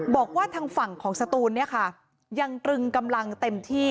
บอกว่าทางฝั่งของสตูนเนี่ยค่ะยังตรึงกำลังเต็มที่